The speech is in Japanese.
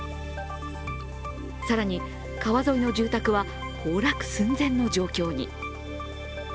更に、川沿いの住宅は崩落寸前の状況に。